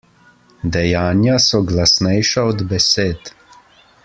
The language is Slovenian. Dejanja so glasnejša od besed.